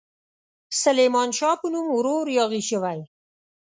سلیمان شاه په نوم ورور یاغي شوی.